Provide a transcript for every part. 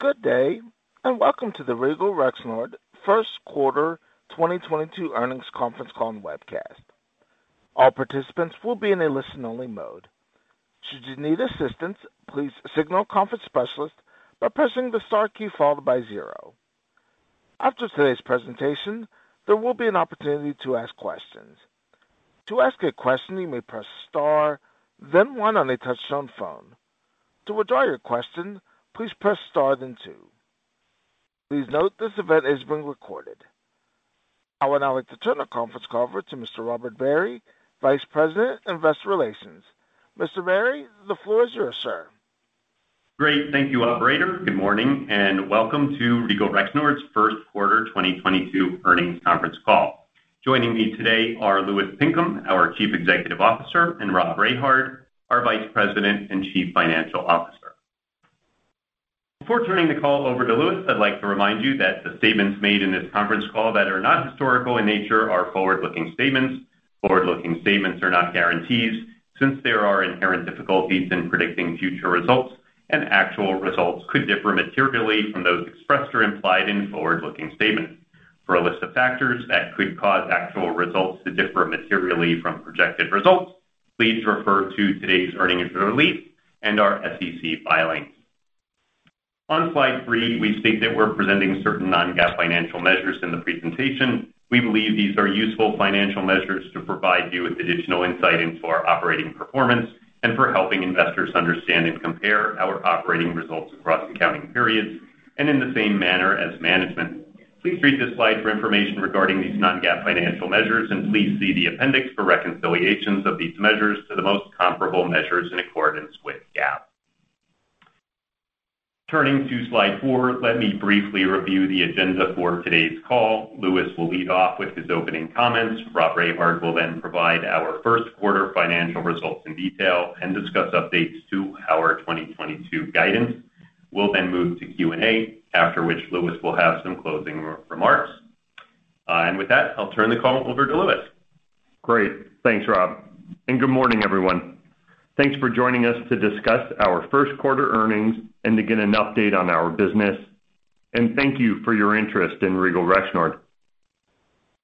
Good day, and welcome to the Regal Rexnord first quarter 2022 earnings conference call and webcast. All participants will be in a listen-only mode. Should you need assistance, please signal conference specialist by pressing the star key followed by zero. After today's presentation, there will be an opportunity to ask questions. To ask a question, you may press star then one on a touch-tone phone. To withdraw your question, please press star then two. Please note this event is being recorded. I would now like to turn the conference call over to Mr. Robert Barry, Vice President, Investor Relations. Mr. Barry, the floor is yours, sir. Great, thank you, operator. Good morning, and welcome to Regal Rexnord's first quarter 2022 earnings conference call. Joining me today are Louis Pinkham, our Chief Executive Officer, and Rob Rehard, our Vice President and Chief Financial Officer. Before turning the call over to Louis, I'd like to remind you that the statements made in this conference call that are not historical in nature are forward-looking statements. Forward-looking statements are not guarantees since there are inherent difficulties in predicting future results, and actual results could differ materially from those expressed or implied in forward-looking statements. For a list of factors that could cause actual results to differ materially from projected results, please refer to today's earnings release and our SEC filings. On Slide 3, we state that we're presenting certain non-GAAP financial measures in the presentation. We believe these are useful financial measures to provide you with additional insight into our operating performance and for helping investors understand and compare our operating results across accounting periods and in the same manner as management. Please read this slide for information regarding these non-GAAP financial measures, and please see the appendix for reconciliations of these measures to the most comparable measures in accordance with GAAP. Turning to slide four, let me briefly review the agenda for today's call. Louis will lead off with his opening comments. Rob Rehard will then provide our first quarter financial results in detail and discuss updates to our 2022 guidance. We'll then move to Q&A, after which Louis will have some closing remarks. With that, I'll turn the call over to Louis. Great. Thanks, Rob, and good morning, everyone. Thanks for joining us to discuss our first quarter earnings and to get an update on our business. Thank you for your interest in Regal Rexnord.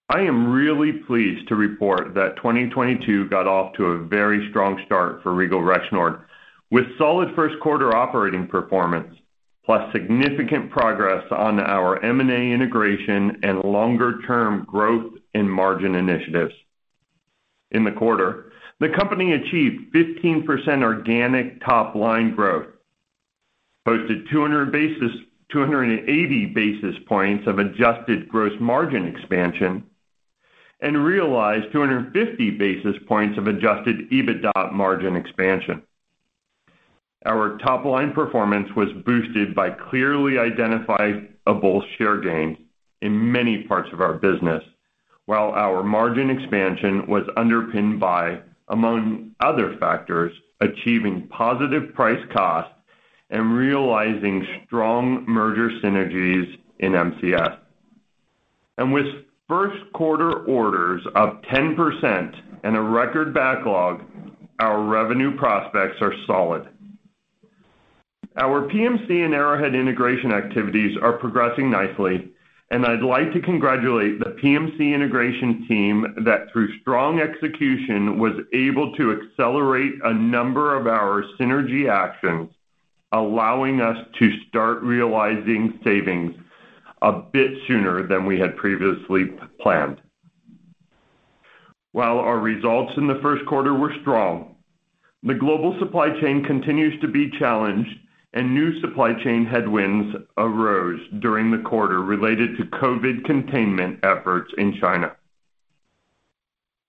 I am really pleased to report that 2022 got off to a very strong start for Regal Rexnord with solid first quarter operating performance, plus significant progress on our M&A integration and longer-term growth in margin initiatives. In the quarter, the company achieved 15% organic top-line growth, posted 280 basis points of adjusted gross margin expansion, and realized 250 basis points of adjusted EBITDA margin expansion. Our top-line performance was boosted by clearly identifiable share gains in many parts of our business, while our margin expansion was underpinned by, among other factors, achieving positive price cost and realizing strong merger synergies in MCS. With first quarter orders up 10% and a record backlog, our revenue prospects are solid. Our PMC and Arrowhead integration activities are progressing nicely, and I'd like to congratulate the PMC integration team that, through strong execution, was able to accelerate a number of our synergy actions, allowing us to start realizing savings a bit sooner than we had previously planned. While our results in the first quarter were strong, the global supply chain continues to be challenged, and new supply chain headwinds arose during the quarter related to COVID containment efforts in China.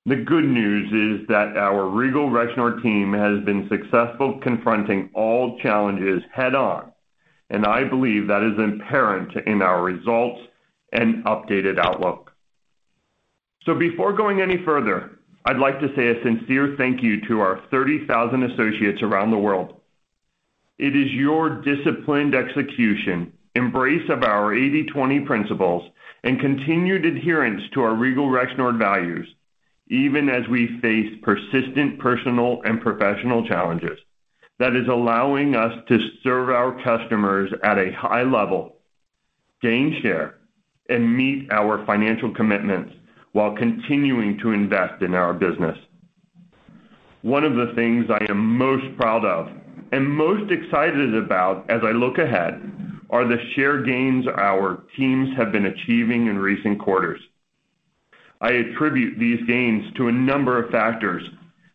The good news is that our Regal Rexnord team has been successful confronting all challenges head on, and I believe that is inherent in our results and updated outlook. Before going any further, I'd like to say a sincere thank you to our 30,000 associates around the world. It is your disciplined execution, embrace of our 80/20 principles, and continued adherence to our Regal Rexnord values, even as we face persistent personal and professional challenges, that is allowing us to serve our customers at a high level, gain share, and meet our financial commitments while continuing to invest in our business. One of the things I am most proud of and most excited about as I look ahead are the share gains our teams have been achieving in recent quarters. I attribute these gains to a number of factors,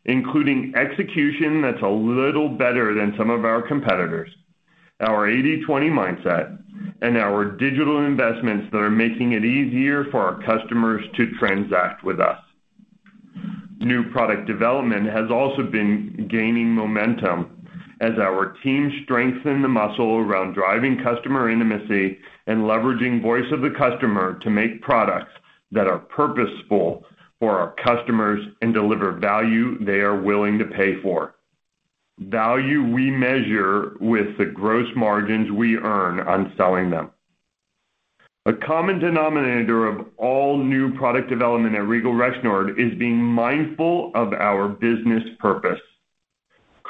including execution that's a little better than some of our competitors, our 80/20 mindset, and our digital investments that are making it easier for our customers to transact with us. New product development has also been gaining momentum as our team strengthen the muscle around driving customer intimacy and leveraging voice of the customer to make products that are purposeful for our customers and deliver value they are willing to pay for. Value we measure with the gross margins we earn on selling them. The common denominator of all new product development at Regal Rexnord is being mindful of our business purpose: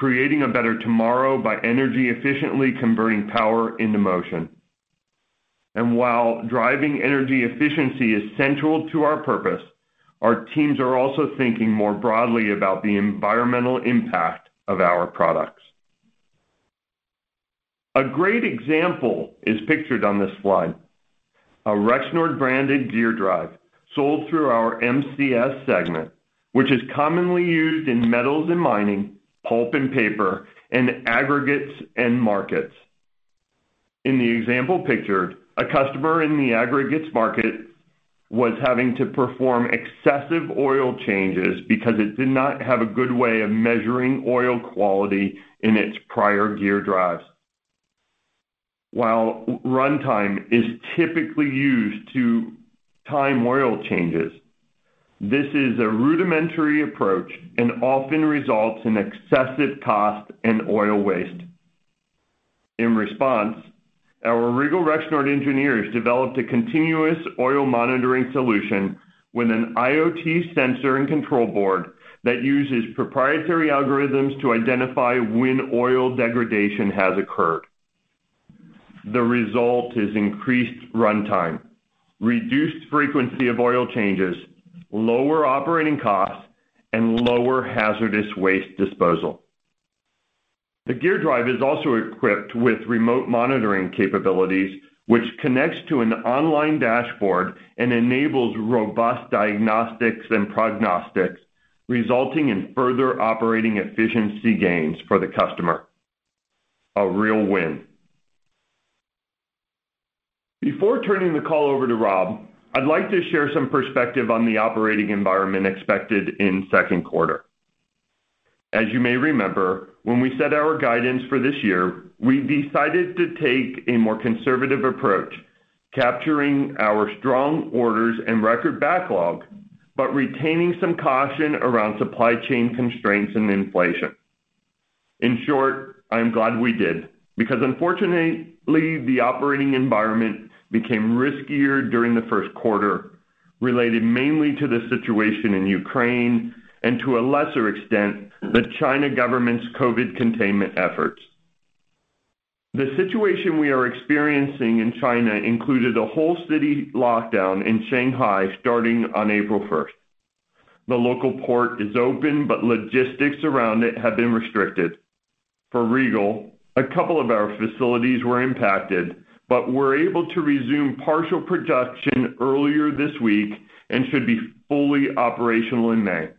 creating a better tomorrow by energy efficiently converting power into motion. While driving energy efficiency is central to our purpose, our teams are also thinking more broadly about the environmental impact of our products. A great example is pictured on this slide. A Rexnord branded gear drive sold through our MCS segment, which is commonly used in metals and mining, pulp and paper, and aggregates end markets. In the example pictured, a customer in the aggregates market was having to perform excessive oil changes because it did not have a good way of measuring oil quality in its prior gear drives. While runtime is typically used to time oil changes, this is a rudimentary approach and often results in excessive cost and oil waste. In response, our Regal Rexnord engineers developed a continuous oil monitoring solution with an IoT sensor and control board that uses proprietary algorithms to identify when oil degradation has occurred. The result is increased runtime, reduced frequency of oil changes, lower operating costs, and lower hazardous waste disposal. The gear drive is also equipped with remote monitoring capabilities, which connects to an online dashboard and enables robust diagnostics and prognostics, resulting in further operating efficiency gains for the customer. A real win. Before turning the call over to Rob, I'd like to share some perspective on the operating environment expected in second quarter. As you may remember, when we set our guidance for this year, we decided to take a more conservative approach, capturing our strong orders and record backlog, but retaining some caution around supply chain constraints and inflation. In short, I'm glad we did, because unfortunately, the operating environment became riskier during the first quarter, related mainly to the situation in Ukraine and to a lesser extent, China's government's COVID containment efforts. The situation we are experiencing in China included a whole city lockdown in Shanghai starting on April first. The local port is open, but logistics around it have been restricted. For Regal, a couple of our facilities were impacted, but were able to resume partial production earlier this week and should be fully operational in May.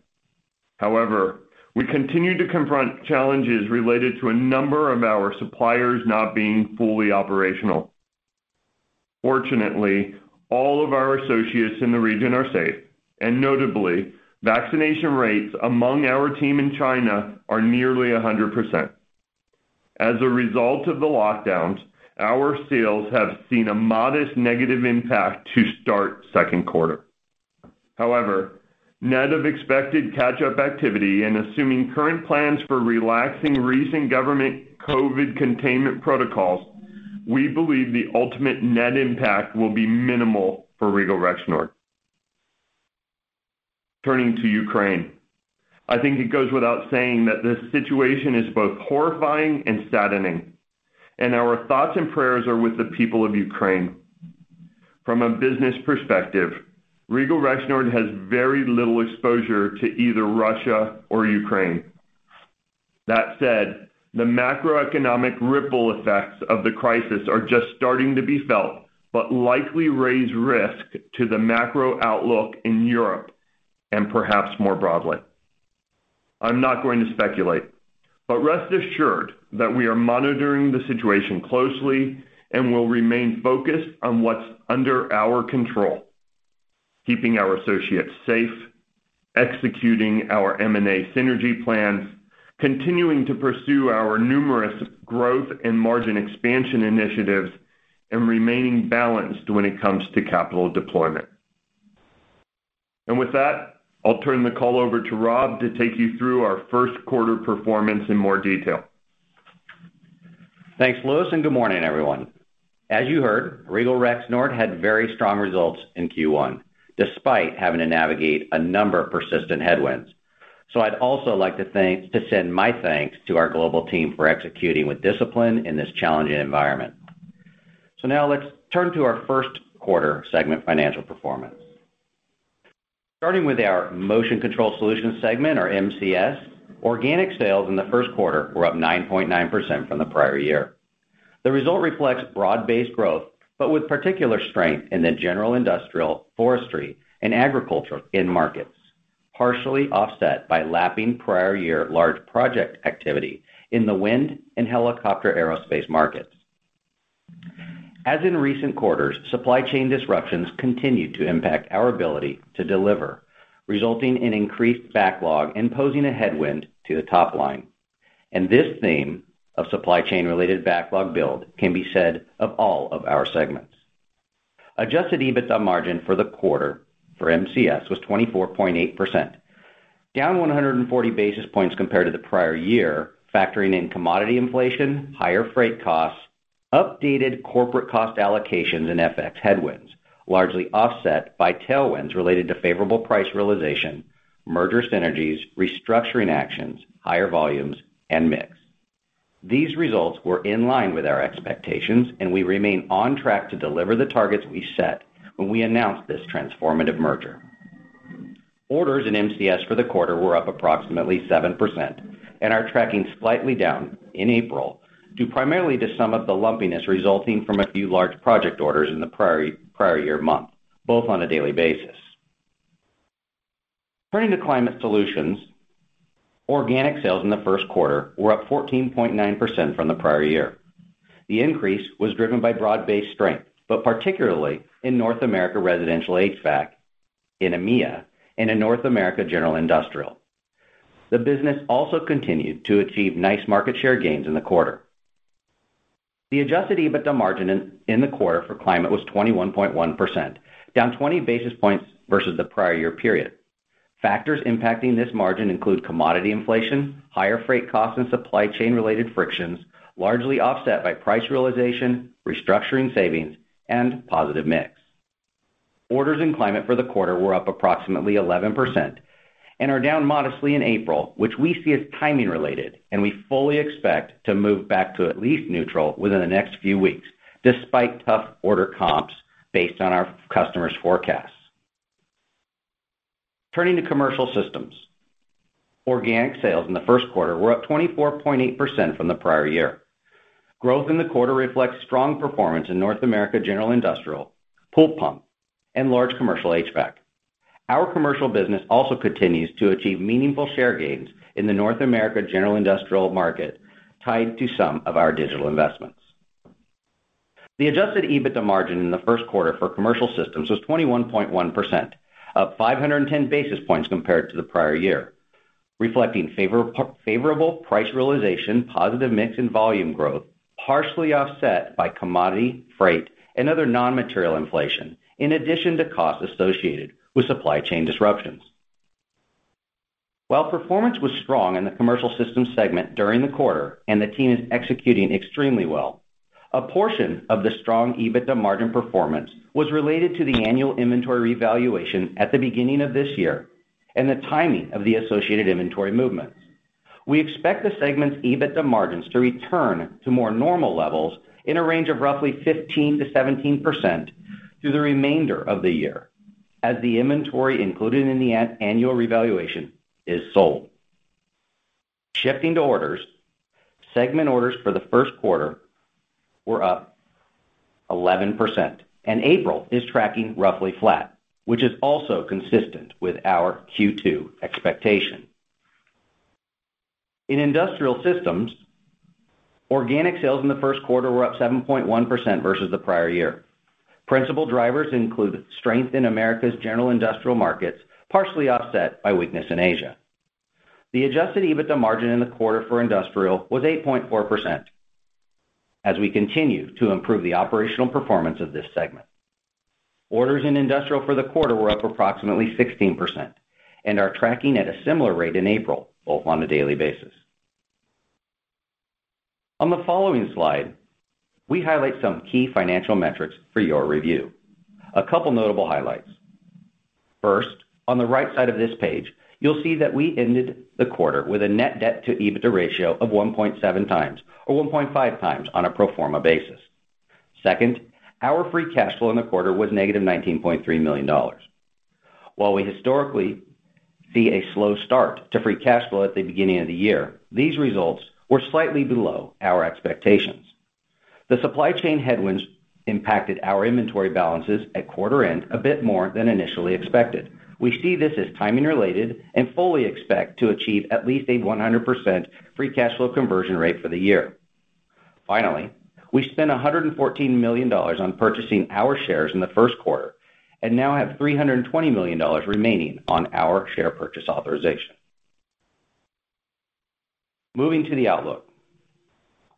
However, we continue to confront challenges related to a number of our suppliers not being fully operational. Fortunately, all of our associates in the region are safe, and notably, vaccination rates among our team in China are nearly 100%. As a result of the lockdowns, our sales have seen a modest negative impact to start second quarter. However, net of expected catch-up activity and assuming current plans for relaxing recent government COVID containment protocols, we believe the ultimate net impact will be minimal for Regal Rexnord. Turning to Ukraine, I think it goes without saying that this situation is both horrifying and saddening, and our thoughts and prayers are with the people of Ukraine. From a business perspective, Regal Rexnord has very little exposure to either Russia or Ukraine. That said, the macroeconomic ripple effects of the crisis are just starting to be felt, but likely raise risk to the macro outlook in Europe and perhaps more broadly. I'm not going to speculate, but rest assured that we are monitoring the situation closely and will remain focused on what's under our control. Keeping our associates safe, executing our M&A synergy plans, continuing to pursue our numerous growth and margin expansion initiatives, and remaining balanced when it comes to capital deployment. With that, I'll turn the call over to Rob to take you through our first quarter performance in more detail. Thanks, Louis, and good morning, everyone. As you heard, Regal Rexnord had very strong results in Q1, despite having to navigate a number of persistent headwinds. I'd also like to send my thanks to our global team for executing with discipline in this challenging environment. Now let's turn to our first quarter segment financial performance. Starting with our Motion Control Solutions segment or MCS, organic sales in the first quarter were up 9.9% from the prior year. The result reflects broad-based growth, but with particular strength in the general industrial, forestry, and agriculture end markets, partially offset by lapping prior year large project activity in the wind and helicopter aerospace markets. As in recent quarters, supply chain disruptions continued to impact our ability to deliver, resulting in increased backlog and posing a headwind to the top line. This theme of supply chain related backlog build can be said of all of our segments. Adjusted EBITDA margin for the quarter for MCS was 24.8%. Down 140 basis points compared to the prior year, factoring in commodity inflation, higher freight costs, updated corporate cost allocations and FX headwinds, largely offset by tailwinds related to favorable price realization, merger synergies, restructuring actions, higher volumes, and mix. These results were in line with our expectations, and we remain on track to deliver the targets we set when we announced this transformative merger. Orders in MCS for the quarter were up approximately 7% and are tracking slightly down in April, due primarily to some of the lumpiness resulting from a few large project orders in the prior year month, both on a daily basis. Turning to Climate Solutions. Organic sales in the first quarter were up 14.9% from the prior year. The increase was driven by broad-based strength, but particularly in North America residential HVAC, in EMEA, and in North America General Industrial. The business also continued to achieve nice market share gains in the quarter. The adjusted EBITDA margin in the quarter for climate was 21.1%, down 20 basis points versus the prior year period. Factors impacting this margin include commodity inflation, higher freight costs, and supply chain-related frictions, largely offset by price realization, restructuring savings, and positive mix. Orders in climate for the quarter were up approximately 11% and are down modestly in April, which we see as timing related, and we fully expect to move back to at least neutral within the next few weeks, despite tough order comps based on our customers' forecasts. Turning to Commercial Systems. Organic sales in the first quarter were up 24.8% from the prior year. Growth in the quarter reflects strong performance in North America General Industrial, pool pump, and large commercial HVAC. Our commercial business also continues to achieve meaningful share gains in the North America general industrial market, tied to some of our digital investments. The adjusted EBITDA margin in the first quarter for Commercial Systems was 21.1%, up 510 basis points compared to the prior year, reflecting favorable price realization, positive mix, and volume growth, partially offset by commodity, freight, and other non-material inflation, in addition to costs associated with supply chain disruptions. While performance was strong in the Commercial Systems segment during the quarter and the team is executing extremely well, a portion of the strong EBITDA margin performance was related to the annual inventory revaluation at the beginning of this year and the timing of the associated inventory movements. We expect the segment's EBITDA margins to return to more normal levels in a range of roughly 15%-17% through the remainder of the year as the inventory included in the annual revaluation is sold. Shifting to orders. Segment orders for the first quarter were up 11%, and April is tracking roughly flat, which is also consistent with our Q2 expectation. In Industrial Systems, organic sales in the first quarter were up 7.1% versus the prior year. Principal drivers include strength in America's general industrial markets, partially offset by weakness in Asia. The adjusted EBITDA margin in the quarter for industrial was 8.4% as we continue to improve the operational performance of this segment. Orders in industrial for the quarter were up approximately 16% and are tracking at a similar rate in April, both on a daily basis. On the following slide, we highlight some key financial metrics for your review. A couple notable highlights. First, on the right side of this page, you'll see that we ended the quarter with a net debt to EBITDA ratio of 1.7x or 1.5x on a pro forma basis. Second, our free cash flow in the quarter was negative $19.3 million. While we historically see a slow start to free cash flow at the beginning of the year, these results were slightly below our expectations. The supply chain headwinds impacted our inventory balances at quarter end a bit more than initially expected. We see this as timing related and fully expect to achieve at least a 100% free cash flow conversion rate for the year. Finally, we spent $114 million on purchasing our shares in the first quarter and now have $320 million remaining on our share purchase authorization. Moving to the outlook.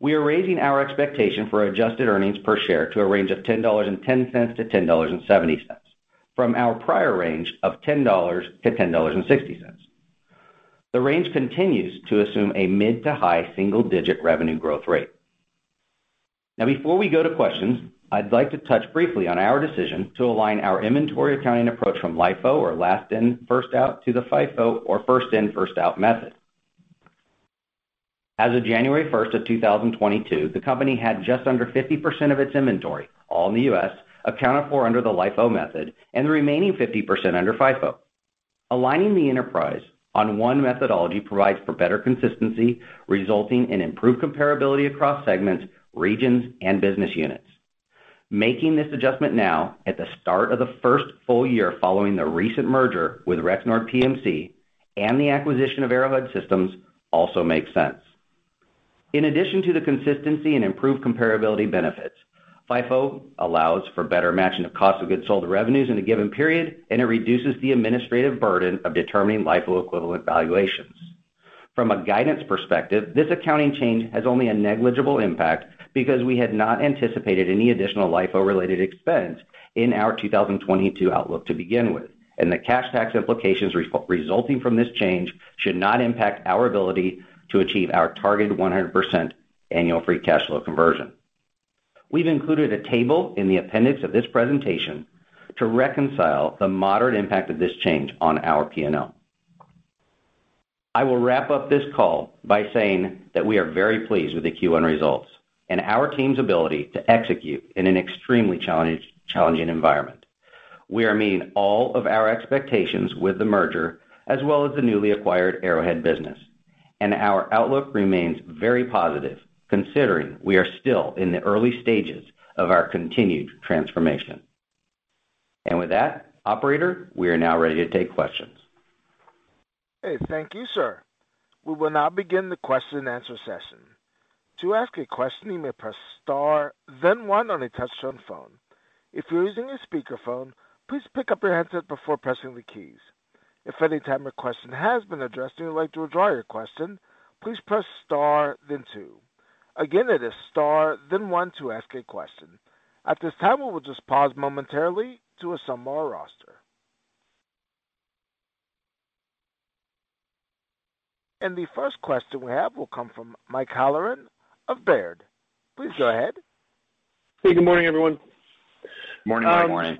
We are raising our expectation for adjusted earnings per share to a range of $10.10-$10.70 from our prior range of $10-$10.60. The range continues to assume a mid- to high single-digit revenue growth rate. Now before we go to questions, I'd like to touch briefly on our decision to align our inventory accounting approach from LIFO or last in, first out to the FIFO or first in, first out method. As of January 1, 2022, the company had just under 50% of its inventory, all in the U.S., accounted for under the LIFO method and the remaining 50% under FIFO. Aligning the enterprise on one methodology provides for better consistency, resulting in improved comparability across segments, regions, and business units. Making this adjustment now at the start of the first full year following the recent merger with Rexnord PMC and the acquisition of Arrowhead Systems also makes sense. In addition to the consistency and improved comparability benefits, FIFO allows for better matching of cost of goods sold to revenues in a given period, and it reduces the administrative burden of determining LIFO equivalent valuations. From a guidance perspective, this accounting change has only a negligible impact because we had not anticipated any additional LIFO related expense in our 2022 outlook to begin with. The cash tax implications resulting from this change should not impact our ability to achieve our targeted 100% annual free cash flow conversion. We've included a table in the appendix of this presentation to reconcile the moderate impact of this change on our P&L. I will wrap up this call by saying that we are very pleased with the Q1 results and our team's ability to execute in an extremely challenging environment. We are meeting all of our expectations with the merger as well as the newly acquired Arrowhead business, and our outlook remains very positive considering we are still in the early stages of our continued transformation. With that, operator, we are now ready to take questions. Hey, thank you, sir. We will now begin the question and answer session. To ask a question, you may press star then one on a touch-tone phone. If you're using a speakerphone, please pick up your handset before pressing the keys. If at any time your question has been addressed and you'd like to withdraw your question, please press star then two. Again, it is star then one to ask a question. At this time, we will just pause momentarily to assemble our roster. The first question we have will come from Mike Halloran of Baird. Please go ahead. Hey, good morning, everyone. Morning. Morning.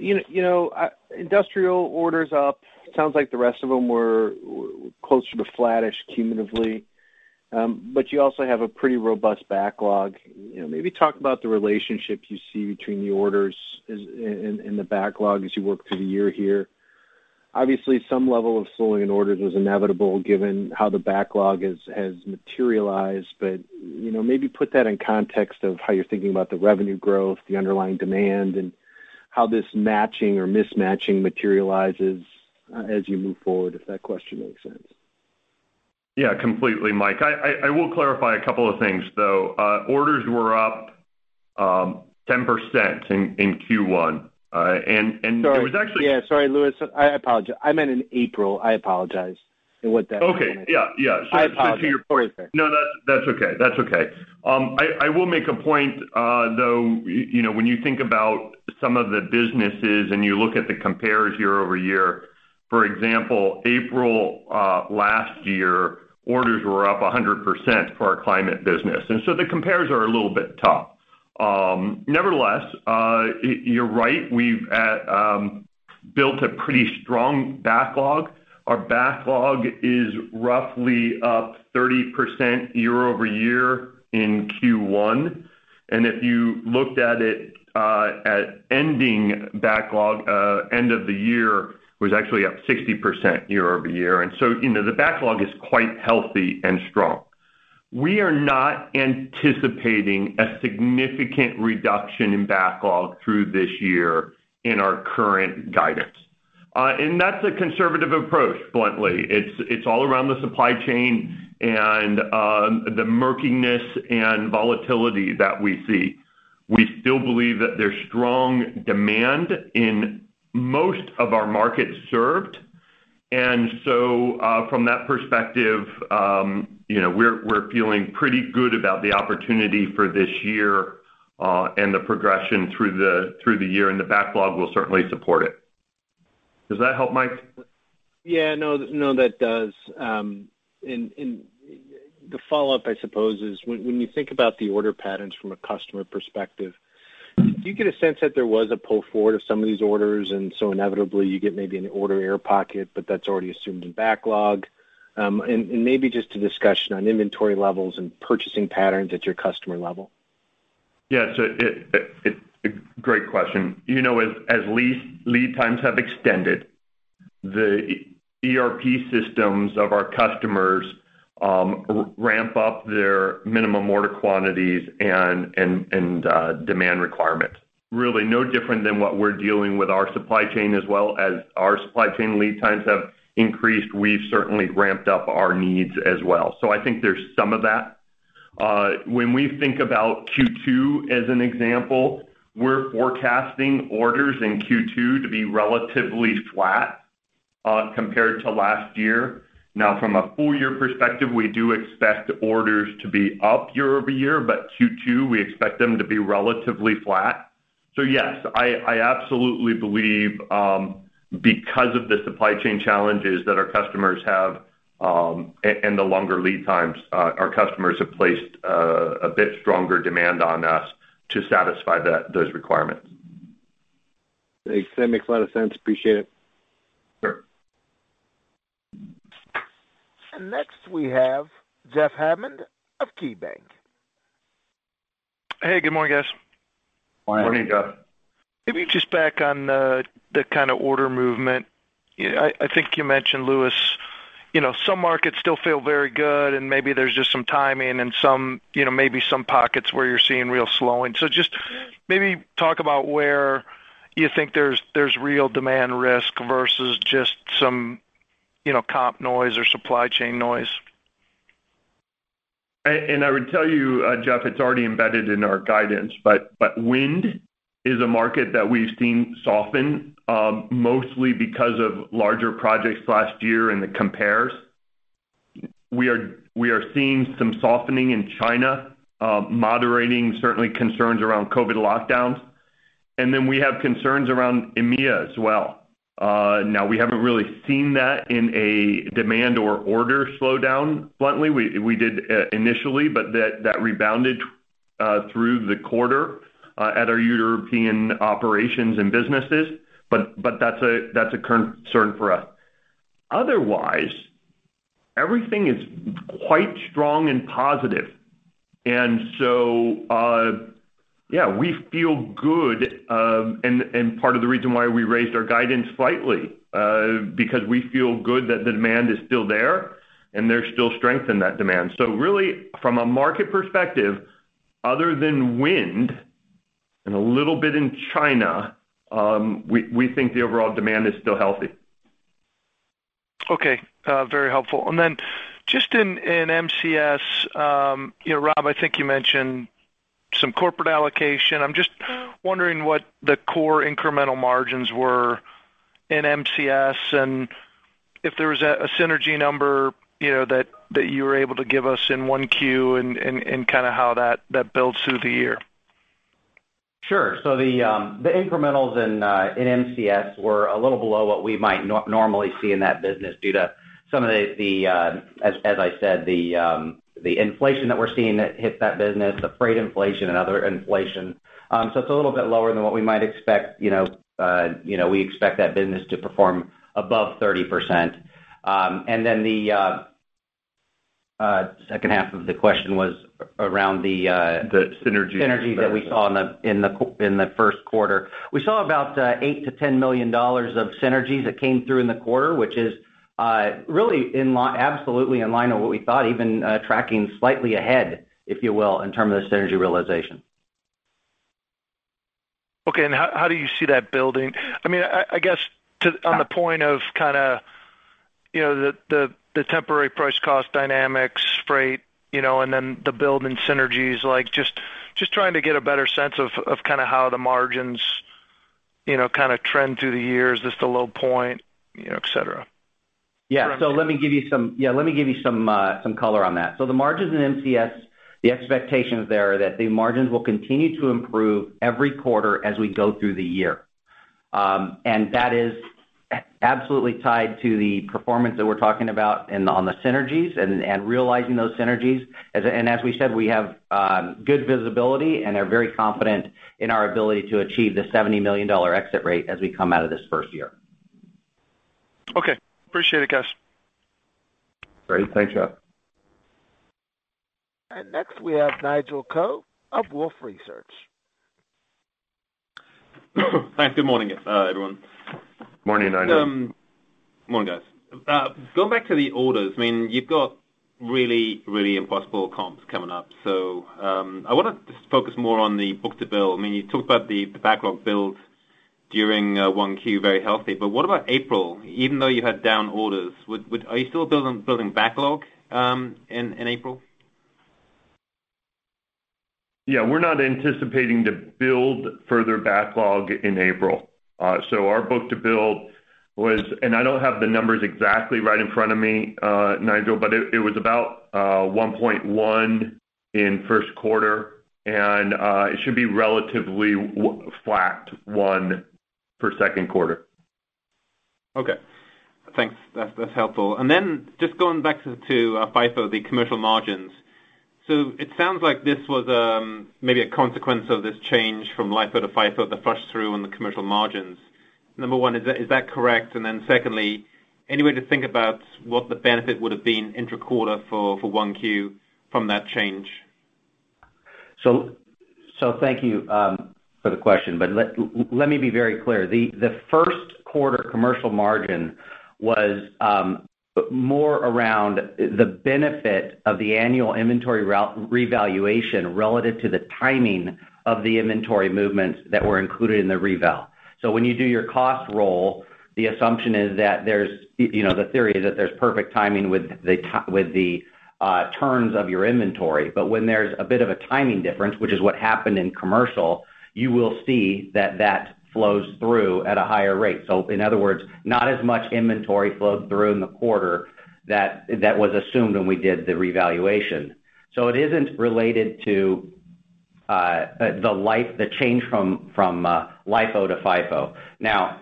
You know, industrial orders up. Sounds like the rest of them were closer to flattish cumulatively, but you also have a pretty robust backlog. You know, maybe talk about the relationship you see between the orders and the backlog as you work through the year here. Obviously, some level of slowing in orders was inevitable given how the backlog has materialized. You know, maybe put that in context of how you're thinking about the revenue growth, the underlying demand, and how this matching or mismatching materializes as you move forward, if that question makes sense. Yeah, completely, Mike. I will clarify a couple of things, though. Orders were up 10% in Q1. It was actually. Sorry. Yeah. Sorry, Louis, I apologize. I meant in April. I apologize what that was. Okay. Yeah. Yeah. I apologize. No, that's okay. I will make a point, though, you know, when you think about some of the businesses and you look at the compares year-over-year, for example, April last year, orders were up 100% for our climate business, and the compares are a little bit tough. Nevertheless, you're right. We've built a pretty strong backlog. Our backlog is roughly up 30% year-over-year in Q1. If you looked at it, at ending backlog, end of the year was actually up 60% year-over-year. You know, the backlog is quite healthy and strong. We are not anticipating a significant reduction in backlog through this year in our current guidance. That's a conservative approach, bluntly. It's all around the supply chain and the murkiness and volatility that we see. We still believe that there's strong demand in most of our markets served. From that perspective, you know, we're feeling pretty good about the opportunity for this year and the progression through the year, and the backlog will certainly support it. Does that help, Mike? Yeah. No, no, that does. The follow-up, I suppose, is when you think about the order patterns from a customer perspective, do you get a sense that there was a pull forward of some of these orders, and so inevitably you get maybe an order air pocket, but that's already assumed in backlog? Maybe just a discussion on inventory levels and purchasing patterns at your customer level. Great question. You know, as lead times have extended, the ERP systems of our customers ramp up their minimum order quantities and demand requirements. Really no different than what we're dealing with our supply chain as well. As our supply chain lead times have increased, we've certainly ramped up our needs as well. I think there's some of that. When we think about Q2 as an example, we're forecasting orders in Q2 to be relatively flat compared to last year. Now, from a full year perspective, we do expect orders to be up year-over-year, but Q2 we expect them to be relatively flat. Yes, I absolutely believe, because of the supply chain challenges that our customers have, and the longer lead times, our customers have placed a bit stronger demand on us to satisfy those requirements. That makes a lot of sense. Appreciate it. Sure. Next, we have Jeff Hammond of KeyBanc. Hey, good morning, guys. Morning. Morning, Jeff. Maybe just back on the kind of order movement. I think you mentioned, Louis, you know, some markets still feel very good, and maybe there's just some timing and some, you know, maybe some pockets where you're seeing real slowing. Just maybe talk about where you think there's real demand risk versus just some, you know, comp noise or supply chain noise. I would tell you, Jeff, it's already embedded in our guidance, but wind is a market that we've seen soften, mostly because of larger projects last year and the compares. We are seeing some softening in China, moderating certainly concerns around COVID lockdowns. Then we have concerns around EMEA as well. We haven't really seen that in a demand or order slowdown bluntly. We did initially, but that rebounded through the quarter at our European operations and businesses. That's a concern for us. Otherwise, everything is quite strong and positive. We feel good, part of the reason why we raised our guidance slightly, because we feel good that the demand is still there, and there's still strength in that demand. Really, from a market perspective, other than wind and a little bit in China, we think the overall demand is still healthy. Okay, very helpful. Just in MCS, you know, Rob, I think you mentioned some corporate allocation. I'm just wondering what the core incremental margins were in MCS, and if there was a synergy number, you know, that you were able to give us in 1Q and kind of how that builds through the year. Sure. The incrementals in MCS were a little below what we might normally see in that business due to some of the, as I said, the inflation that we're seeing that hit that business, the freight inflation and other inflation. It's a little bit lower than what we might expect, you know, you know, we expect that business to perform above 30%. Then the second half of the question was around the. The synergy. Synergy that we saw in the first quarter. We saw about $8 million-$10 million of synergies that came through in the quarter, which is really absolutely in line with what we thought, even tracking slightly ahead, if you will, in terms of the synergy realization. Okay, how do you see that building? I mean, I guess. On the point of kinda, you know, the temporary price cost dynamics, freight, you know, and then the build in synergies, like just trying to get a better sense of kind of how the margins, you know, kind of trend through the years, is this the low point, you know, et cetera. Let me give you some color on that. The margins in MCS, the expectations there are that the margins will continue to improve every quarter as we go through the year. That is absolutely tied to the performance that we're talking about on the synergies and realizing those synergies. As we said, we have good visibility and are very confident in our ability to achieve the $70 million exit rate as we come out of this first year. Okay. Appreciate it, guys. Great. Thanks, Jeff. Next, we have Nigel Coe of Wolfe Research. Thanks. Good morning, everyone. Morning, Nigel. Morning, guys. Going back to the orders, I mean, you've got really impossible comps coming up. I wanna just focus more on the book-to-bill. I mean, you talked about the backlog build during one Q, very healthy. What about April? Even though you had down orders, are you still building backlog in April? Yeah, we're not anticipating to build further backlog in April. Our book-to-bill was, I don't have the numbers exactly right in front of me, Nigel, but it was about 1.1 in first quarter, and it should be relatively flat one for second quarter. Okay. Thanks. That's helpful. Then just going back to FIFO, the commercial margins. It sounds like this was maybe a consequence of this change from LIFO to FIFO, the flush through on the commercial margins. Number one, is that correct? Then secondly, any way to think about what the benefit would have been intra-quarter for One Q from that change? Thank you for the question. Let me be very clear. The first quarter commercial margin was more around the benefit of the annual inventory revaluation relative to the timing of the inventory movements that were included in the reval. When you do your cost roll, the assumption is that there's you know, the theory is that there's perfect timing with the with the turns of your inventory. When there's a bit of a timing difference, which is what happened in commercial, you will see that that flows through at a higher rate. In other words, not as much inventory flowed through in the quarter that was assumed when we did the revaluation. It isn't related to the change from LIFO to FIFO. Now,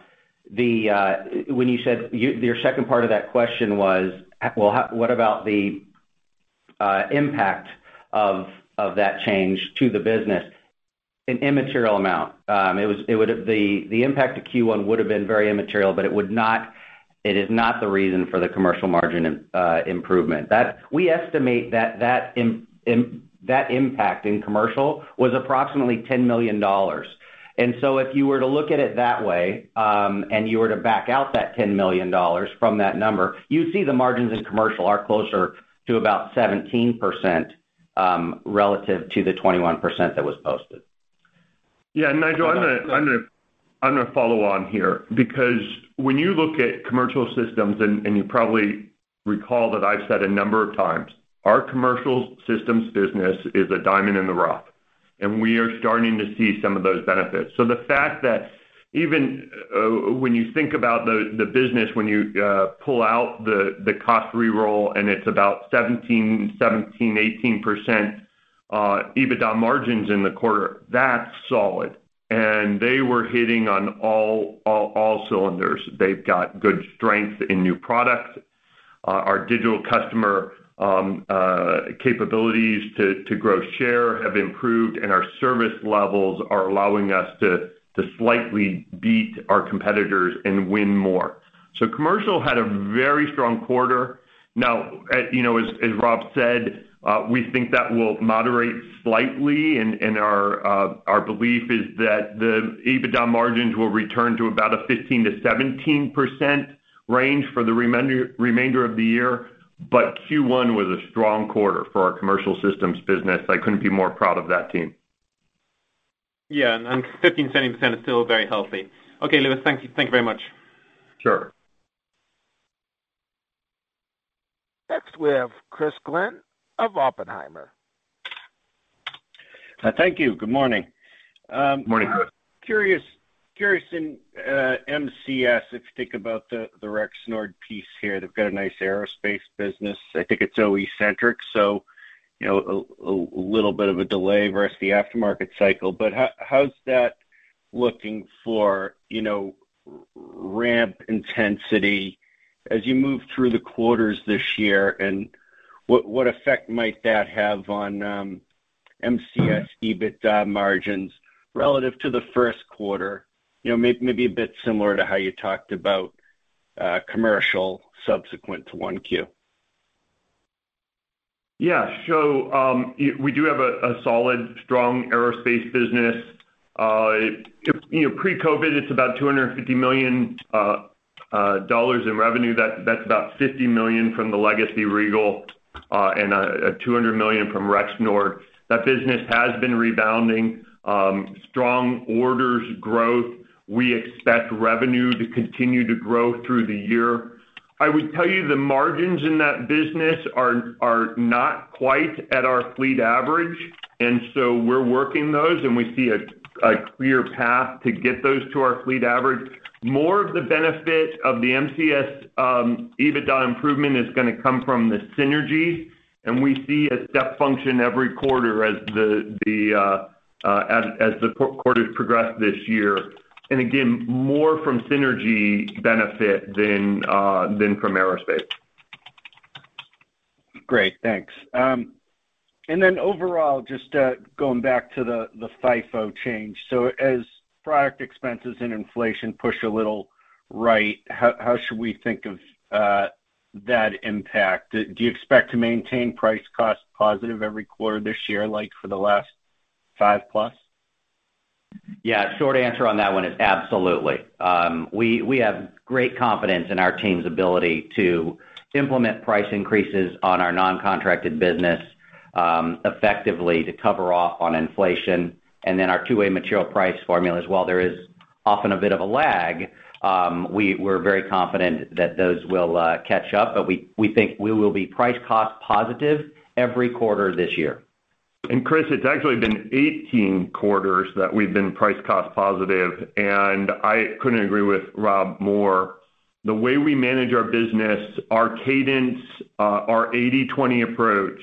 the When you said your second part of that question was, well, what about the impact of that change to the business? An immaterial amount. The impact to Q1 would have been very immaterial, but it is not the reason for the commercial margin improvement. We estimate that impact in commercial was approximately $10 million. If you were to look at it that way, and you were to back out that $10 million from that number, you'd see the margins in commercial are closer to about 17%, relative to the 21% that was posted. Yeah, Nigel, I'm gonna follow on here because when you look at Commercial Systems, you probably recall that I've said a number of times, our Commercial Systems business is a diamond in the rough, and we are starting to see some of those benefits. The fact that even when you think about the business when you pull out the cost roll-off, and it's about 17%-18% EBITDA margins in the quarter, that's solid. They were hitting on all cylinders. They've got good strength in new products. Our digital customer capabilities to grow share have improved, and our service levels are allowing us to slightly beat our competitors and win more. Commercial had a very strong quarter. Now, you know, as Rob said, we think that will moderate slightly, and our belief is that the EBITDA margins will return to about a 15%-17% range for the remainder of the year. Q1 was a strong quarter for our Commercial Systems business. I couldn't be more proud of that team. Yeah. 15%-17% is still very healthy. Okay, Louis. Thank you. Thank you very much. Sure. Next, we have Christopher Glynn of Oppenheimer. Thank you. Good morning. Morning. Curious in MCS, if you think about the Rexnord piece here, they've got a nice aerospace business. I think it's OE-centric, so you know, little bit of a delay versus the aftermarket cycle. But how's that looking for you know, ramp intensity as you move through the quarters this year? And what effect might that have on MCS EBITDA margins relative to the first quarter? You know, maybe a bit similar to how you talked about commercial subsequent to 1Q. Yeah. We do have a solid, strong aerospace business. You know, pre-COVID, it's about $250 million in revenue. That's about $50 million from the legacy Regal and $200 million from Rexnord. That business has been rebounding, strong orders growth. We expect revenue to continue to grow through the year. I would tell you the margins in that business are not quite at our fleet average, and so we're working those, and we see a clear path to get those to our fleet average. More of the benefit of the MCS EBITDA improvement is gonna come from the synergy, and we see a step function every quarter as the quarters progress this year. Again, more from synergy benefit than from aerospace. Great. Thanks. Overall, just going back to the FIFO change. As product expenses and inflation push a little higher, how should we think of that impact? Do you expect to maintain price cost positive every quarter this year, like for the last five plus? Yeah. Short answer on that one is absolutely. We have great confidence in our team's ability to implement price increases on our non-contracted business, effectively to cover off on inflation. Our two way material price formula as well, there is often a bit of a lag. We're very confident that those will catch up, but we think we will be price cost positive every quarter this year. Chris, it's actually been 18 quarters that we've been price cost positive, and I couldn't agree with Rob more. The way we manage our business, our cadence, our 80/20 approach,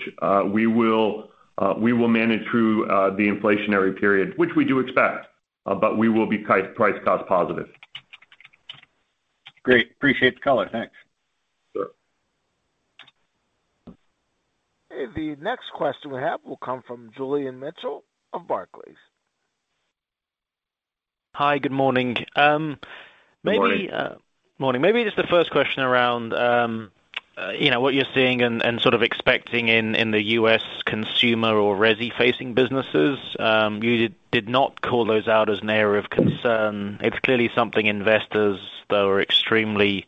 we will manage through the inflationary period, which we do expect, but we will be price cost positive. Great. Appreciate the color. Thanks. Sure. The next question we have will come from Julian Mitchell of Barclays. Hi. Good morning. Good morning. Morning. Maybe just the first question around you know what you're seeing and sort of expecting in the U.S. consumer or resi-facing businesses. You did not call those out as an area of concern. It's clearly something investors though are extremely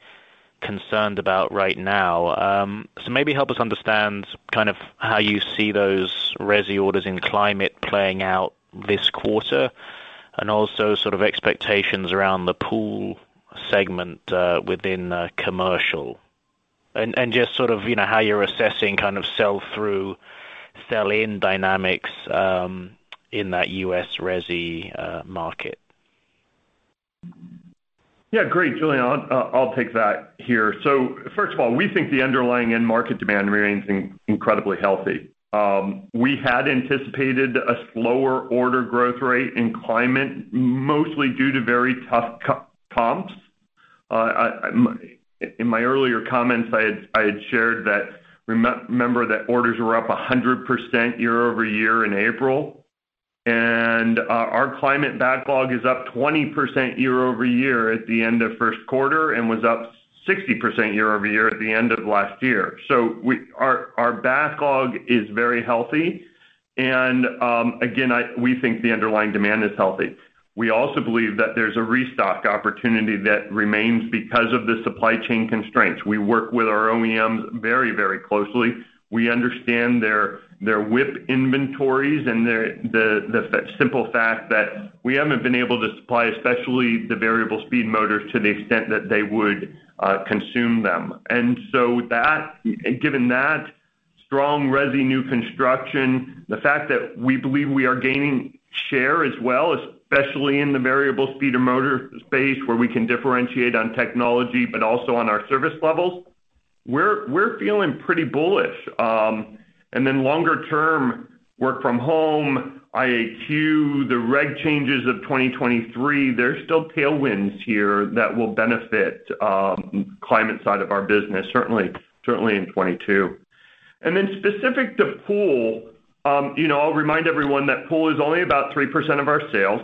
concerned about right now. Maybe help us understand kind of how you see those resi orders in Climate playing out this quarter, and also sort of expectations around the pool segment within Commercial. Just sort of you know how you're assessing kind of sell-through, sell-in dynamics in that U.S. resi market. Yeah. Great, Julian. I'll take that here. First of all, we think the underlying end market demand remains incredibly healthy. We had anticipated a slower order growth rate in climate, mostly due to very tough comps. In my earlier comments, I had shared that, remember that orders were up 100% year-over-year in April. Our climate backlog is up 20% year-over-year at the end of first quarter, and was up 60% year-over-year at the end of last year. Our backlog is very healthy. Again, we think the underlying demand is healthy. We also believe that there's a restock opportunity that remains because of the supply chain constraints. We work with our OEMs very closely. We understand their WIP inventories and the simple fact that we haven't been able to supply, especially the variable speed motors to the extent that they would consume them. Given that strong residential new construction, the fact that we believe we are gaining share as well, especially in the variable speed motor space where we can differentiate on technology, but also on our service levels, we're feeling pretty bullish. Longer term work from home, IAQ, the regulatory changes of 2023, there's still tailwinds here that will benefit climate side of our business, certainly in 2022. Specific to pool, you know, I'll remind everyone that pool is only about 3% of our sales.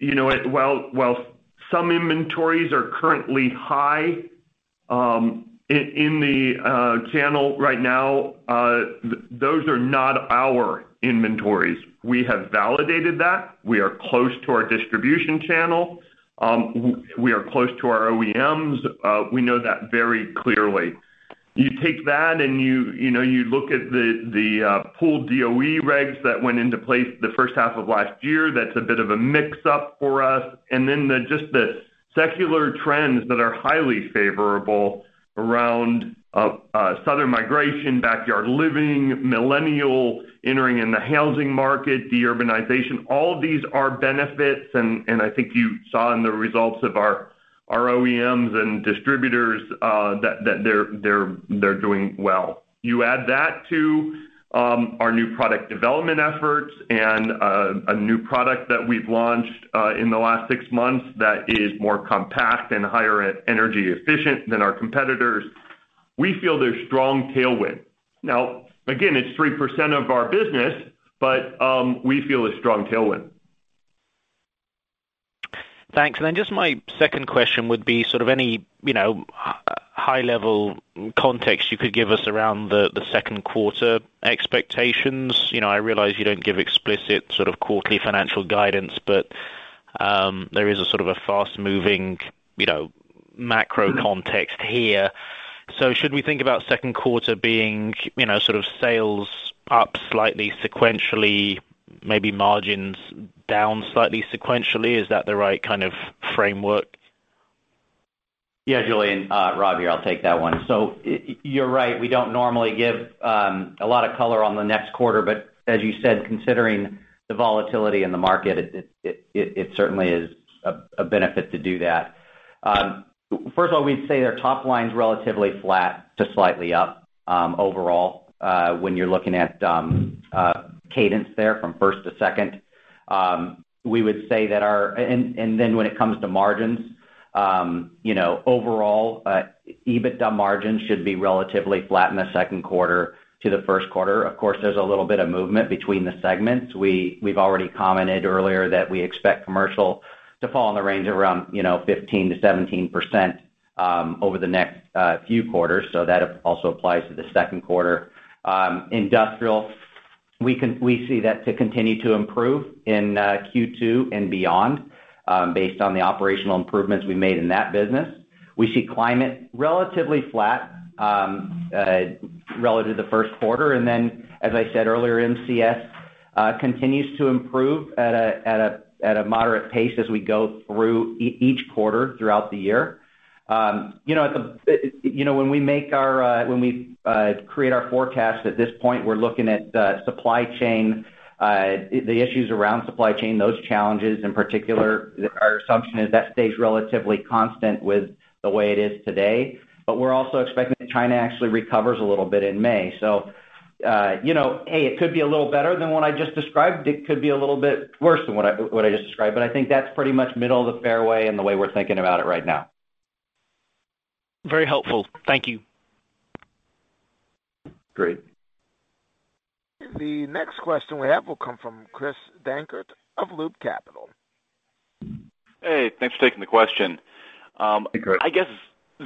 You know, while some inventories are currently high in the channel right now, those are not our inventories. We have validated that. We are close to our distribution channel. We are close to our OEMs. We know that very clearly. You take that and you know, you look at the full DOE regs that went into place the first half of last year, that's a bit of a mix up for us. Just the secular trends that are highly favorable around southern migration, backyard living, millennials entering in the housing market, deurbanization, all of these are benefits. I think you saw in the results of our OEMs and distributors that they're doing well. You add that to our new product development efforts and a new product that we've launched in the last six months that is more compact and more energy efficient than our competitors. We feel there's strong tailwind. Now, again, it's 3% of our business, but we feel a strong tailwind. Thanks. Then just my second question would be sort of any, you know, high level context you could give us around the second quarter expectations. You know, I realize you don't give explicit sort of quarterly financial guidance, but there is a sort of a fast-moving, you know, macro context here. Should we think about second quarter being, you know, sort of sales up slightly sequentially, maybe margins down slightly sequentially? Is that the right kind of framework? Yeah, Julian. Rob here, I'll take that one. You're right. We don't normally give a lot of color on the next quarter, but as you said, considering the volatility in the market, it certainly is a benefit to do that. First of all, we'd say their top line's relatively flat to slightly up, overall, when you're looking at cadence there from first to second. When it comes to margins, you know, overall, EBITDA margins should be relatively flat in the second quarter to the first quarter. Of course, there's a little bit of movement between the segments. We've already commented earlier that we expect Commercial to fall in the range around, you know, 15%-17%, over the next few quarters. That also applies to the second quarter. Industrial, we see that to continue to improve in Q2 and beyond, based on the operational improvements we made in that business. We see Climate relatively flat, relative to the first quarter. As I said earlier, MCS continues to improve at a moderate pace as we go through each quarter throughout the year. When we create our forecast, at this point, we're looking at the supply chain, the issues around supply chain, those challenges in particular. Our assumption is that stays relatively constant with the way it is today. We're also expecting that China actually recovers a little bit in May. You know, it could be a little better than what I just described. It could be a little bit worse than what I just described. I think that's pretty much middle of the fairway and the way we're thinking about it right now. Very helpful. Thank you. Great. The next question we have will come from Chris Dankert of Loop Capital. Hey, thanks for taking the question. Hey, Chris. I guess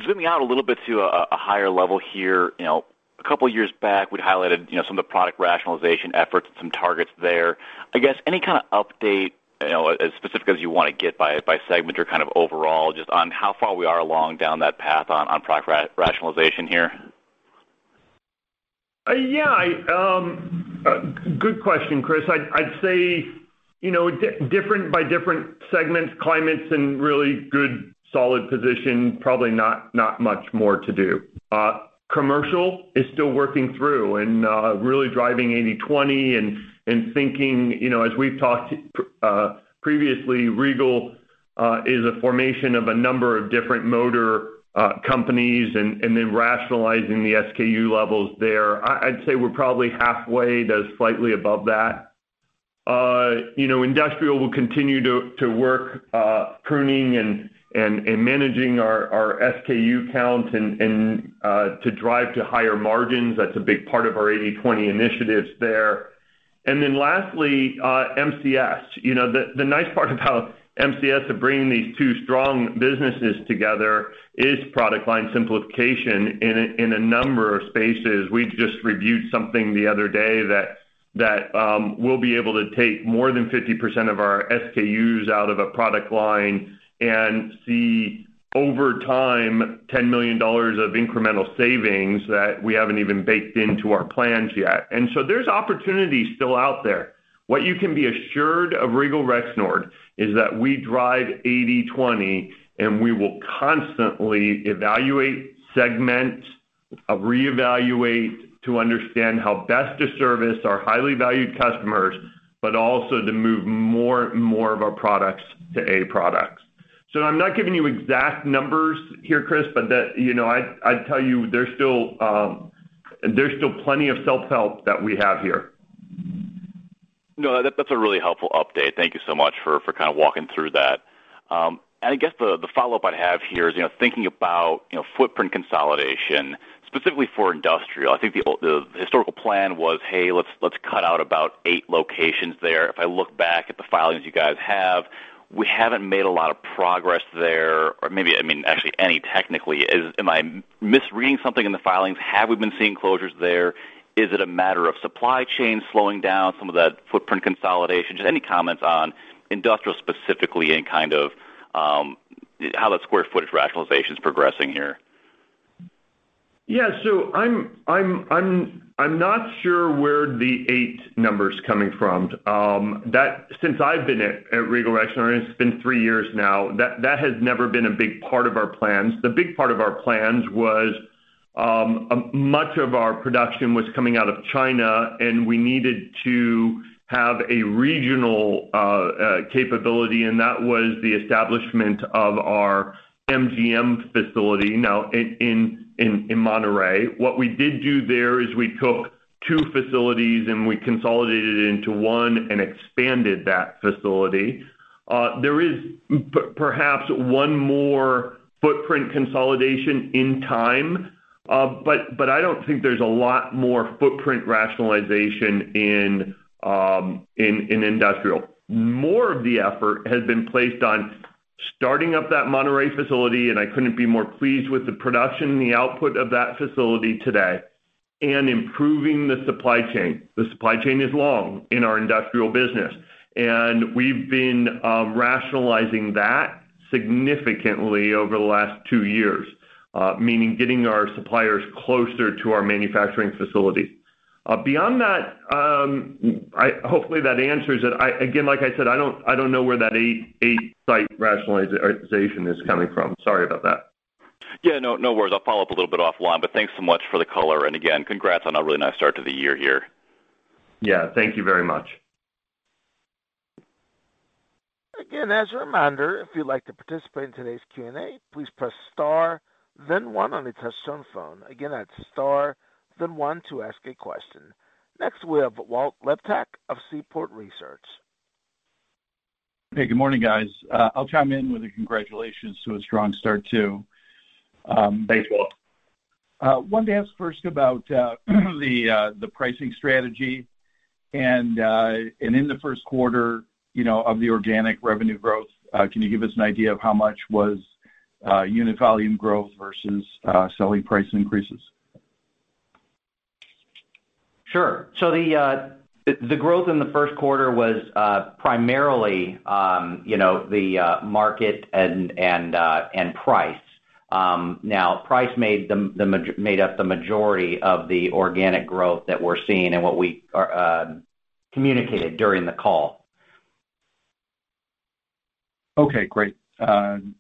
zooming out a little bit to a higher level here, you know, a couple of years back, we'd highlighted, you know, some of the product rationalization efforts and some targets there. I guess any kind of update, you know, as specific as you wanna get by segment or kind of overall just on how far we are along down that path on product rationalization here? Yeah. Good question, Chris. I'd say, you know, different by different segments. Climate Solutions in really good, solid position, probably not much more to do. Commercial Systems is still working through and really driving 80/20 and thinking, you know, as we've talked previously, Regal is a formation of a number of different motor companies and then rationalizing the SKU levels there. I'd say we're probably halfway. That's slightly above that. You know, Industrial Systems will continue to work pruning and managing our SKU count and to drive to higher margins. That's a big part of our 80/20 initiatives there. Lastly, MCS. You know, the nice part about MCS of bringing these two strong businesses together is product line simplification in a number of spaces. We just reviewed something the other day that we'll be able to take more than 50% of our SKUs out of a product line and see over time $10 million of incremental savings that we haven't even baked into our plans yet. There's opportunity still out there. What you can be assured of Regal Rexnord is that we drive 80/20, and we will constantly evaluate segments, reevaluate to understand how best to service our highly valued customers, but also to move more and more of our products to A products. I'm not giving you exact numbers here, Chris, but that I'd tell you there's still plenty of self-help that we have here. No, that's a really helpful update. Thank you so much for kind of walking through that. I guess the follow-up I'd have here is, you know, thinking about, you know, footprint consolidation specifically for industrial. I think the historical plan was, "Hey, let's cut out about eight locations there." If I look back at the filings you guys have, we haven't made a lot of progress there, or maybe, I mean, actually any technically. Am I misreading something in the filings? Have we been seeing closures there? Is it a matter of supply chain slowing down some of that footprint consolidation? Just any comments on industrial specifically and kind of how the square footage rationalization is progressing here. I'm not sure where the eight number's coming from. Since I've been at Regal Rexnord, and it's been three years now, that has never been a big part of our plans. The big part of our plans was much of our production was coming out of China, and we needed to have a regional capability, and that was the establishment of our MGM facility now in Monterrey. What we did do there is we took two facilities, and we consolidated into one and expanded that facility. There is perhaps one more footprint consolidation in time, but I don't think there's a lot more footprint rationalization in industrial. More of the effort has been placed on starting up that Monterrey facility, and I couldn't be more pleased with the production and the output of that facility today, and improving the supply chain. The supply chain is long in our industrial business, and we've been rationalizing that significantly over the last two years, meaning getting our suppliers closer to our manufacturing facility. Beyond that, hopefully that answers it. Again, like I said, I don't know where that eight site rationalization is coming from. Sorry about that. Yeah. No, no worries. I'll follow up a little bit offline, but thanks so much for the color. Again, congrats on a really nice start to the year here. Yeah. Thank you very much. Again, as a reminder, if you'd like to participate in today's Q&A, please press star then one on your touchtone phone. Again, that's star then one to ask a question. Next, we have Walt Liptak of Seaport Research Partners. Hey, good morning, guys. I'll chime in with a congratulations to a strong start too. Thanks, Walt. Wanted to ask first about the pricing strategy. In the first quarter, you know, of the organic revenue growth, can you give us an idea of how much was unit volume growth versus selling price increases? Sure. The growth in the first quarter was primarily, you know, the market and price. Now price made up the majority of the organic growth that we're seeing and what we communicated during the call. Okay, great. Okay,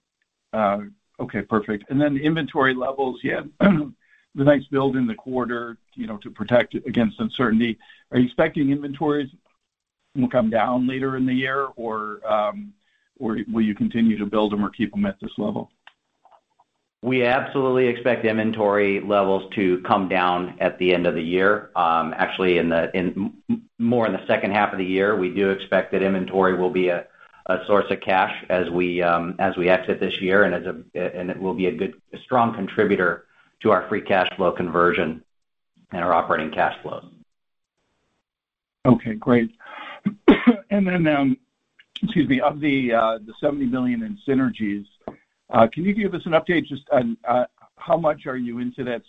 perfect. The inventory levels you had, the nice build in the quarter, you know, to protect against uncertainty. Are you expecting inventories will come down later in the year or will you continue to build them or keep them at this level? We absolutely expect inventory levels to come down at the end of the year. Actually, in the second half of the year, we do expect that inventory will be a source of cash as we exit this year and it will be a good, strong contributor to our free cash flow conversion and our operating cash flow. Okay, great. Excuse me, of the $70 million in synergies, can you give us an update just on how much are you into that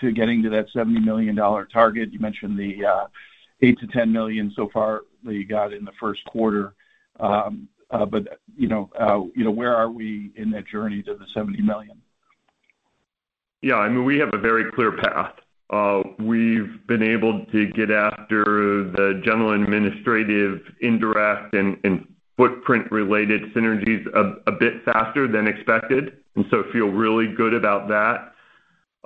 to getting to that $70 million target? You mentioned the $8 million-$10 million so far that you got in the first quarter. You know, where are we in that journey to the $70 million? Yeah, I mean, we have a very clear path. We've been able to get after the general administrative indirect and footprint related synergies a bit faster than expected, so feel really good about that.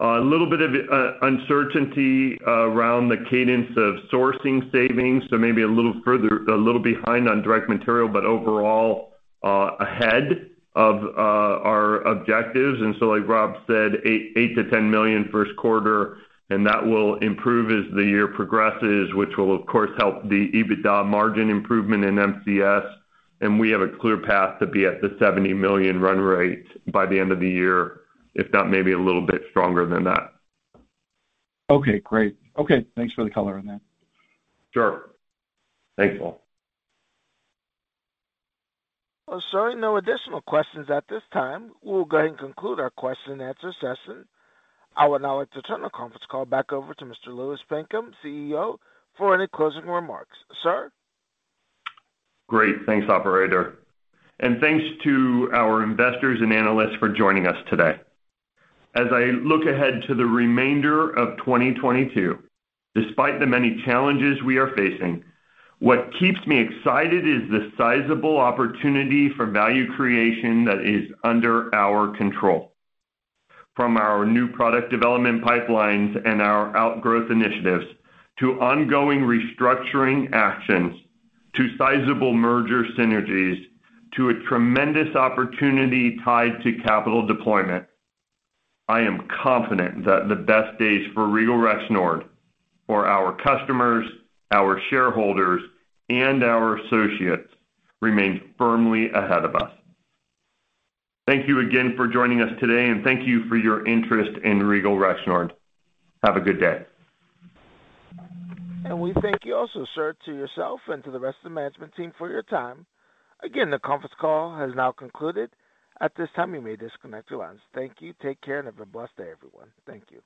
A little bit of uncertainty around the cadence of sourcing savings, so maybe a little behind on direct material, but overall, ahead of our objectives. Like Rob said, $8 million-$10 million first quarter, and that will improve as the year progresses, which will, of course, help the EBITDA margin improvement in MCS. We have a clear path to be at the $70 million run rate by the end of the year, if not maybe a little bit stronger than that. Okay, great. Okay, thanks for the color on that. Sure. Thanks, Walt. Well, sir, no additional questions at this time. We'll go ahead and conclude our question and answer session. I would now like to turn the conference call back over to Mr. Louis Pinkham, CEO, for any closing remarks. Sir? Great. Thanks, operator, and thanks to our investors and analysts for joining us today. As I look ahead to the remainder of 2022, despite the many challenges we are facing, what keeps me excited is the sizable opportunity for value creation that is under our control. From our new product development pipelines and our outgrowth initiatives to ongoing restructuring actions to sizable merger synergies to a tremendous opportunity tied to capital deployment, I am confident that the best days for Regal Rexnord for our customers, our shareholders, and our associates remain firmly ahead of us. Thank you again for joining us today, and thank you for your interest in Regal Rexnord. Have a good day. We thank you also, sir, to yourself and to the rest of the management team for your time. Again, the conference call has now concluded. At this time, you may disconnect your lines. Thank you. Take care, and have a blessed day, everyone. Thank you.